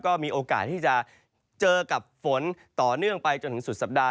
ก็มีโอกาสที่จะเจอกับฝนต่อเนื่องไปจนถึงสุดสัปดาห